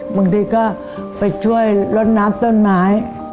บางทีก็ไปช่วยลดน้ำต้นไม้